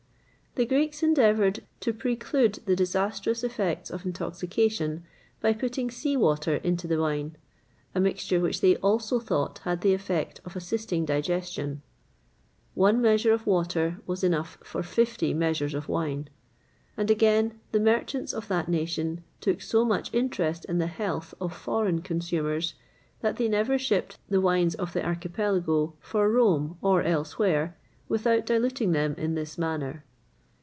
The Greeks endeavoured to preclude the disastrous effects of intoxication by putting sea water into the wine; a mixture which they also thought had the effect of assisting digestion. One measure of water was enough for fifty measures of wine.[XXVIII 114] And, again, the merchants of that nation took so much interest in the health of foreign consumers that they never shipped the wines of the Archipelago for Rome or elsewhere without diluting them in this manner.